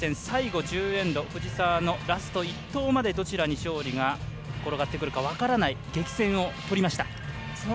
最後、１０エンド藤澤のラスト１投までどちらに勝利が転がってくるか分からない激戦を取りました。